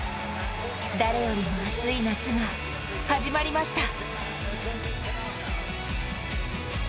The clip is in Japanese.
誰よりも熱い夏が始まりました。